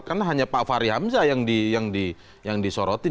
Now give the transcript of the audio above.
kan hanya pak fahri hamzah yang disorotin